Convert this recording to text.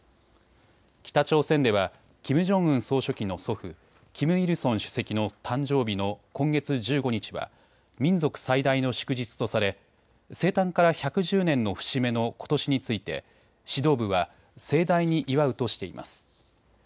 北朝鮮ではキム・ジョンウン総書記の祖父、キム・イルソン主席の誕生日の今月１５日は民族最大の祝日とされ、生誕から１１０年の節目のことしについて指導部は盛大に祝うとしています。